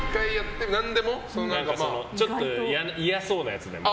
ちょっと嫌そうなやつでも。